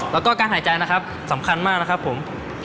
แล้วก็การหายใจนะครับสำคัญมากนะครับผม